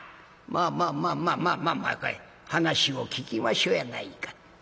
「まあまあまあまあまあまあ話を聞きましょうやないか」。